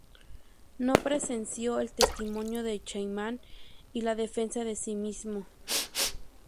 No presenció el testimonio de Eichmann y la defensa de sí mismo.